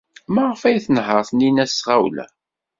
Maɣef ay tnehheṛ Taninna s tɣawla?